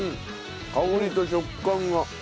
香りと食感が。